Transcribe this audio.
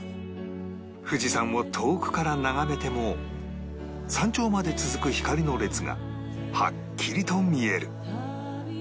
富士山を遠くから眺めても山頂まで続く光の列がはっきりと見える